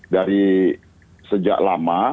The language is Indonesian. dari sejak lama